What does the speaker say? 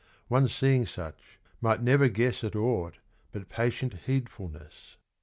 One seeing such might never guess At aught but patient needfulness.